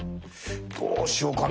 どうしようかな？